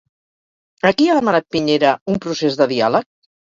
A qui ha demanat Piñera un procés de diàleg?